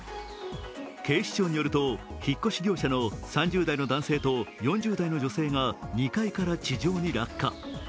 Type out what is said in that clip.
警視庁によると引っ越し業者の３０代の男性と４０代の女性が２階から地上に落下。